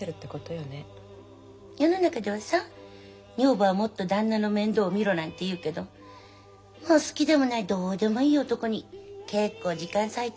世の中ではさ女房はもっと旦那の面倒を見ろなんて言うけど好きでもないどうでもいい男に結構時間割いてるんだなって。